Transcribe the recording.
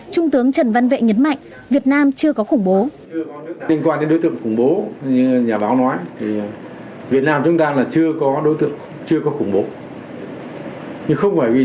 trung tướng trần văn vệ nhấn mạnh việt nam chưa có khủng bố